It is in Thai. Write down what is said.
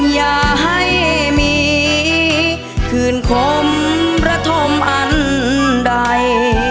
อย่าให้มีคืนคมระธมอันใด